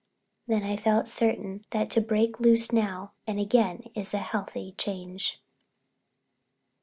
Then I felt certain that to break loose now and again is a healthy change.